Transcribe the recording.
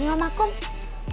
ini om akum